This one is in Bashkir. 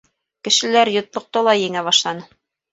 Кешеләр йотлоҡто ла еңә башланы...